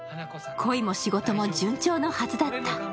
恋も仕事も順調なはずだった。